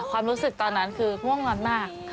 ความรู้สึกตอนนั้นคือง่วงงอนมาก